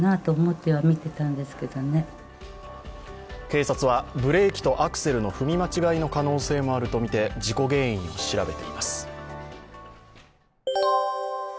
警察はブレーキとアクセルの踏み間違いの可能性もあるとみて事故原因を調べています。